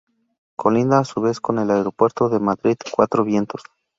Colinda, a su vez, con el aeropuerto de Madrid-Cuatro Vientos.